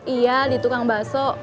iya di tukang bakso